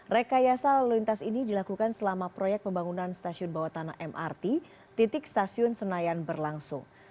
rekayasa lalu lintas ini dilakukan selama proyek pembangunan stasiun bawah tanah mrt titik stasiun senayan berlangsung